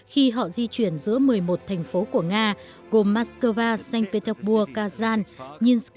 khi họ di chuyển giữa một mươi một thành phố của nga gồm moskova sankt petersburg kazan nizhny novgorod saransk